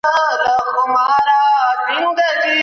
هر انسان حق لري چي خپله لاره وټاکي.